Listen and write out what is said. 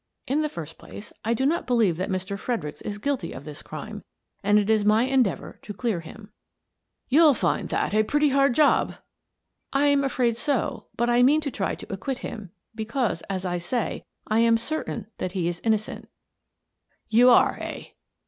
In the first place, I do not believe that Mr. Fredericks is guilty of this crime, and it is my endeavour to clear him." 202 Miss Frances Baird, Detective " You'll find that a pretty hard job." " I am afraid so, but I mean to try to acquit him, because, as I say, I am certain that he is innocent" " You are, eh